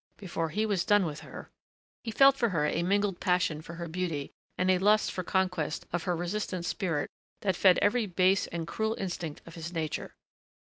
Before he was done with her ... He felt for her a mingled passion for her beauty and a lust for conquest of her resistant spirit that fed every base and cruel instinct of his nature.